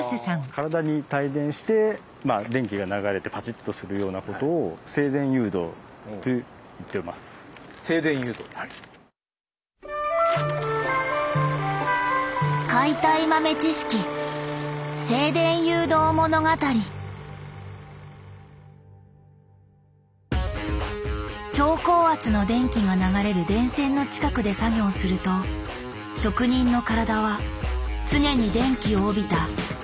体に帯電して電気が流れてパチッとするようなことを超高圧の電気が流れる電線の近くで作業すると職人の体は常に電気を帯びた帯電状態になります。